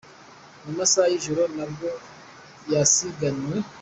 Mu masaha y’ijoro na bwo basiganwe.